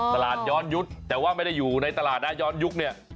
ตลาดย้อนยุคแต่ว่าไม่ได้อยู่ในตลาดนะย้อนยุคเนี่ย